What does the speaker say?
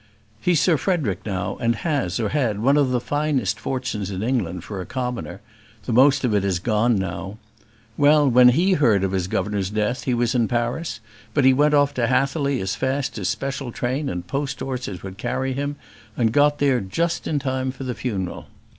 "He's Sir Frederick now, and has, or had, one of the finest fortunes in England, for a commoner; the most of it is gone now. Well, when he heard of his governor's death, he was in Paris, but he went off to Hatherly as fast as special train and post horses would carry him, and got there just in time for the funeral.